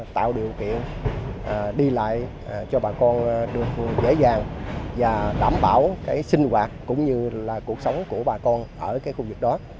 tạo điều kiện đi lại cho bà con được dễ dàng và đảm bảo sinh hoạt cũng như là cuộc sống của bà con ở cái khu vực đó